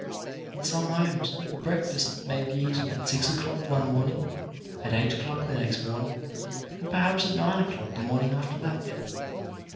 In some homes the breakfast may be eaten at six o'clock one morning, at eight o'clock the next morning, and, perhaps, at nine o'clock the morning after that.